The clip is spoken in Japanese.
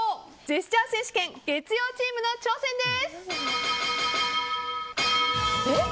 ジェスチャー選手権月曜日チームの挑戦です。